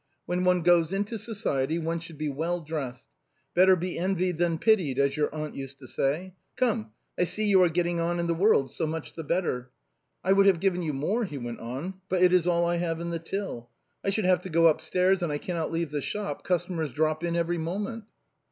When one goes into society one should be well dressed. Better be envied than pitied, as your aunt used to say. Come, I see you are getting on in the world, so much the better. I would have given you more," he went on, " but it is all I have in the till. I should have to go upstairs and I cannot leave the shop, customers drop in every moment."